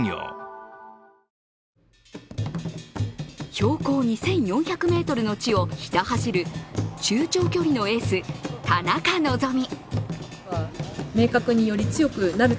標高２４００ｍの地をひた走る中長距離のエース・田中希実。